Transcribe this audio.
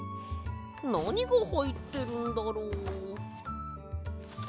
なにがはいってるんだろう。